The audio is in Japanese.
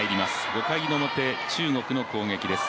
５回の表、中国の攻撃です